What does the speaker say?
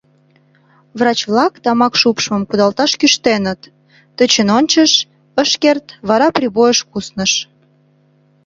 Врач-влак тамак шупшмым кудалташ кӱштеныт, тӧчен ончыш — ыш керт, вара «Прибойыш» кусныш.